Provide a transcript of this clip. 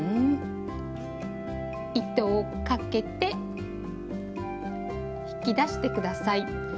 糸をかけて引き出して下さい。